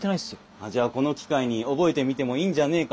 じゃあこの機会に覚えてみてもいいんじゃねえかな？